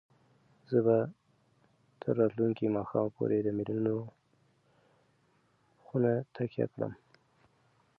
زه به تر راتلونکي ماښامه پورې د مېلمنو خونه تکیه کړم.